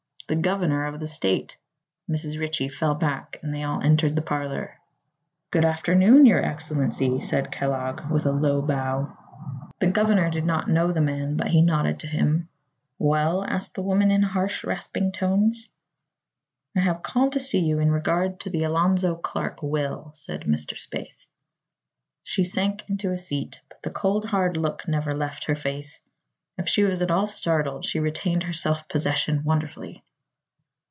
"The governor of the state." Mrs. Ritchie fell back and they all entered the parlor. "Good afternoon, your Excellency," said Kellogg, with a low bow. The governor did not know the man but he nodded to him. "Well?" asked the woman in harsh, rasping tones. "I have called to see you in regard to the Alonzo Clark will," said Mr. Spaythe. She sank into a seat, but the cold, hard look never left her face. If she was at all startled she retained her self possession wonderfully.